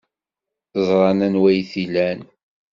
Ẓran anwa ay t-ilan.